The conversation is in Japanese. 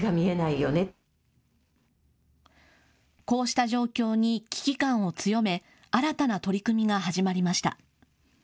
こうした状況に危機感を強め、新たな取り組みが始まりました。